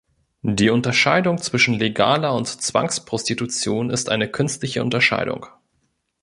Die Unterscheidung zwischen legaler und Zwangsprostitution ist eine künstliche Unterscheidung.